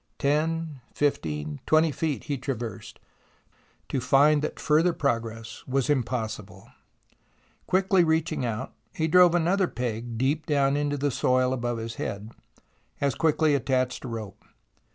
Ten, fifteen, twenty feet he traversed, to find that further progress was im possible. Quickly reaching out, he drove another THE ROMANCE OF EXCAVATION 113 peg deep down into the soil above his head, as quickly attached a rope.